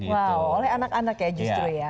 wow oleh anak anak ya justru ya